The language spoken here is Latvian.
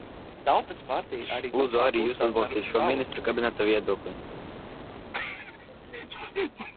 Lūdzu arī jūs atbalstīt šo Ministru kabineta viedokli.